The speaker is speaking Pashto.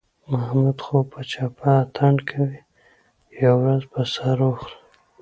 محمود خو په چپه اتڼ کوي، یوه ورځ به سر وخوري.